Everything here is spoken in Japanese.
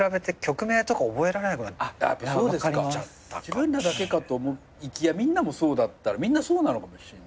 自分らだけかと思いきやみんなもそうだったらみんなそうなのかもしれないね。